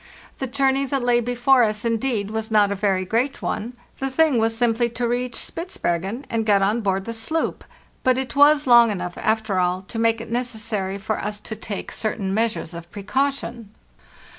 The journey that lay IIl.—31 482 FARTHEST NORTH before us, indeed, was not a very great one; the thing was simply to reach Spitzbergen and get on board the sloop; but it was long enough, after all, to make it neces sary for us to take certain measures of precaution.